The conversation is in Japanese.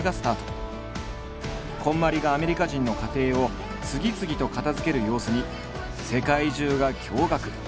こんまりがアメリカ人の家庭を次々と片づける様子に世界中が驚愕。